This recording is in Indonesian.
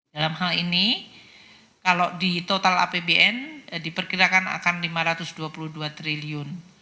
dalam hal ini kalau di total apbn diperkirakan akan rp lima ratus dua puluh dua triliun